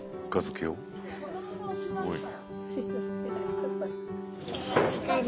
すごいね。